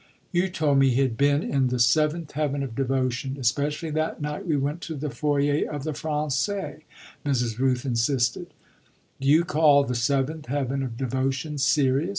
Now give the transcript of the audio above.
"You told me he had been in the seventh heaven of devotion, especially that night we went to the foyer of the Français," Mrs. Rooth insisted. "Do you call the seventh heaven of devotion serious?